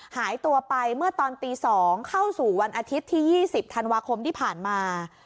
หายตัวไปเมื่อตอนตี๒เข้าสู่วันอาทิตย์ที่๒๐ธันวาคมที่ผ่านมา